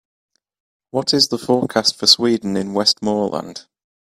what is the forecast for Sweden in Westmoreland